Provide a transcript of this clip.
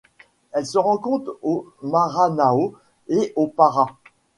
Elle se rencontre au Maranhão et au Pará.